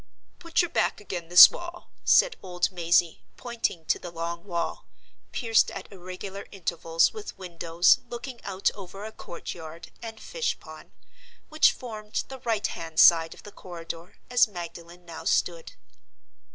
"Put your back ag'in this wall," said old Mazey, pointing to the long wall—pierced at irregular intervals with windows looking out over a courtyard and fish pond—which formed the right hand side of the corridor, as Magdalen now stood.